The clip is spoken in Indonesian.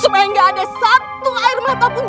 supaya nggak ada satu air mata pun